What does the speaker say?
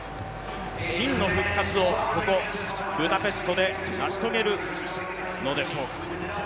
真の復活を、ここブダペストで成し遂げるのでしょぅか。